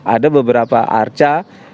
ada beberapa arca